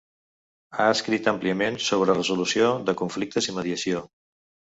Ha escrit àmpliament sobre resolució de conflictes i mediació.